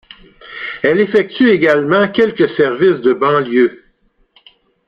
Elle effectue également quelques services de banlieue.